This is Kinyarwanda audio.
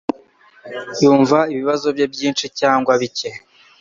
Yumva ibibazo bye byinshi cyangwa bike.